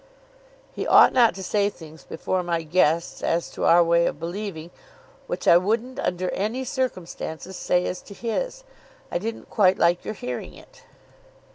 "He ought not to say things before my guests as to our way of believing, which I wouldn't under any circumstances say as to his. I didn't quite like your hearing it."